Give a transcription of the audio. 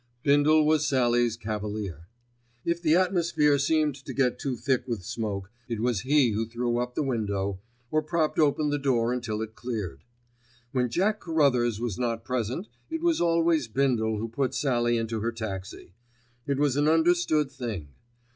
Bindle was Sallie's cavalier. If the atmosphere seemed to get too thick with smoke, it was he who threw up the window, or propped open the door until it cleared. When Jack Carruthers was not present, it was always Bindle who put Sallie into her taxi; it was an understood thing.